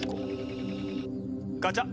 ガチャッ。